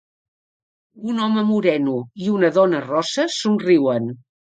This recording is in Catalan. Un home moreno i una dona rossa somriuen.